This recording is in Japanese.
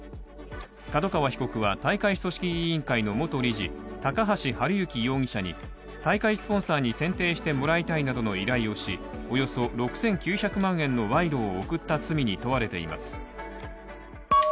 角川被告は大会組織委員会の元理事高橋治之容疑者に大会スポンサーに選定してもらいたいなどの依頼をしおよそ６９００万円の賄賂を贈った罪に問われています。